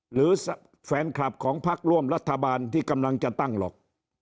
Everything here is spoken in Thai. หรือแฟนคลับของพักร่วมรัฐบาลที่กำลังจะตั้งหรอก